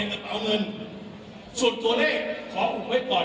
อุปกรณ์ทำงานเศรษฐ์ที่จำเป็น